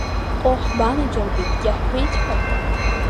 Ҟоҳ банаџьалбеит, иаҳҳәеит ҳәа…